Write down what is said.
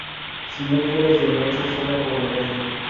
si no fueras de noche sola por la calle.